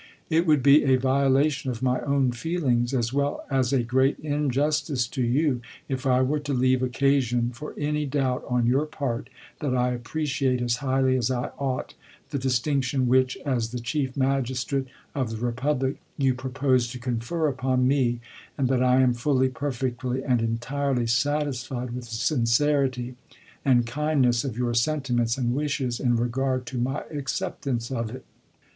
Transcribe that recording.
It would be a violation of my own feelings, as well as a great injustice to you, if I were to leave occasion for any doubt on your part that I appreciate as highly as I ought the distinction which, as the Chief Magistrate of the Re public, you propose to confer upon me, and that I am fully, perfectly, and entirely satisfied with the sincerity and kindness of your sentiments and wishes in regard to my acceptance of it.